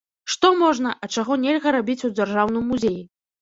Што можна, а чаго нельга рабіць у дзяржаўным музеі?